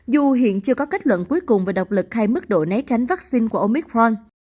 dù hiện chưa có kết luận cuối cùng về độc lực hay mức độ né tránh vaccine của omicron